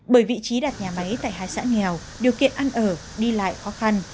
bởi vị trí đặt nhà máy tại hai xã nghèo điều kiện ăn ở đi lại khó khăn